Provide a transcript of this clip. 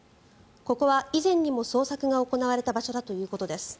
ここは以前にも捜索が行われた場所だということです。